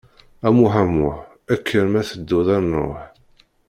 A Muĥ, a Muḥ, kker ma tedduḍ ad nruḥ.